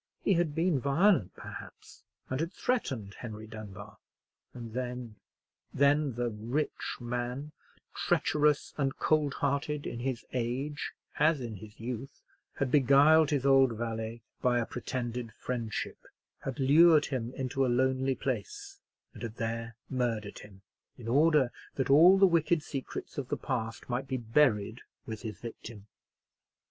He had been violent, perhaps, and had threatened Henry Dunbar: and then—then the rich man, treacherous and cold hearted in his age as in his youth, had beguiled his old valet by a pretended friendship, had lured him into a lonely place, and had there murdered him; in order that all the wicked secrets of the past might be buried with his victim.